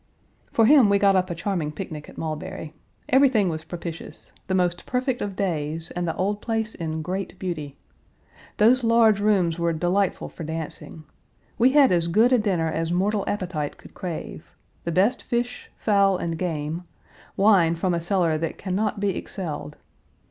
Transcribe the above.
For him we got up a charming picnic at Mulberry. Everything was propitious the most perfect of days and the old place in great beauty. Those large rooms were delightful for dancing; we had as good a dinner as mortal appetite could crave; the best fish, fowl, and game; wine from a cellar that can not be excelled.